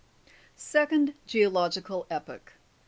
SECOND GEOLOGICAL EPOCH.